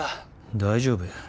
大丈夫や。